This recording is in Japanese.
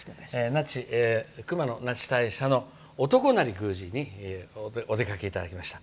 熊野那智大社の男成宮司にお出かけいただきました。